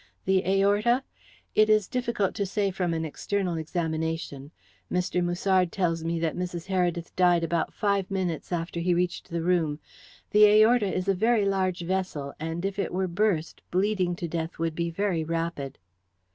"The aorta? It is difficult to say from an external examination. Mr. Musard tells me that Mrs. Heredith died about five minutes after he reached the room. The aorta is a very large vessel, and if it were burst bleeding to death would be very rapid."